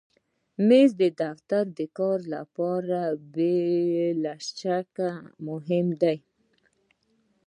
مېز د دفتر د کار لپاره بې له شکه مهم دی.